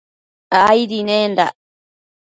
Aidi nendac